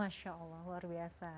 masya allah luar biasa